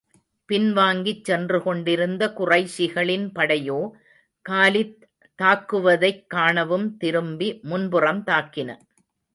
பின்வாங்கிச் சென்று கொண்டிருந்த குறைஷிகளின் படையோ, காலித் தாக்குவதைக் காணவும் திரும்பி முன்புறம் தாக்கின.